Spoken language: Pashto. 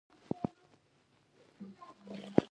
د امیر عبدالرحمن خان پر دوستۍ باور نه کېده.